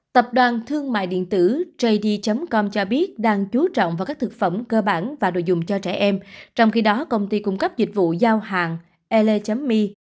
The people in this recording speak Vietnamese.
tập đoàn thương mại điện tử jd com cho biết đang chú trọng vào các thực phẩm cơ bản và đồ dùng cho trẻ em trong khi đó công ty cung cấp dịch vụ giao hàng ele